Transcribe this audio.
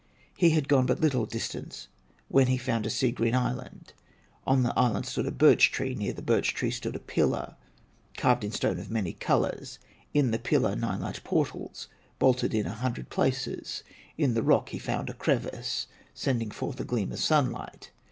He had gone but little distance, When he found a sea green island; On the island stood a birch tree, Near the birch tree stood a pillar Carved in stone of many colors; In the pillar, nine large portals Bolted in a hundred places; In the rock he found a crevice Sending forth a gleam of sunlight.